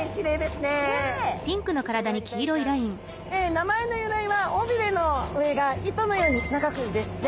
名前の由来は尾鰭の上が糸のように長くですね。